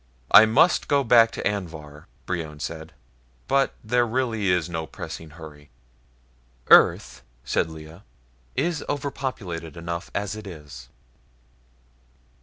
"I must go back to Anvhar," Brion said, "but there really is no pressing hurry." "Earth," said Lea, "is overpopulated enough as it is."